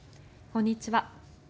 こんにちは。